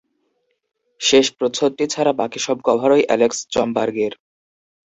শেষ প্রচ্ছদটি ছাড়া বাকি সব কভারই অ্যালেক্স চমবার্গের।